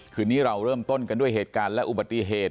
คืนนี้เราเริ่มต้นกันด้วยเหตุการณ์และอุบัติเหตุ